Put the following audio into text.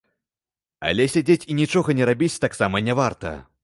Але сядзець і нічога не рабіць таксама не варта.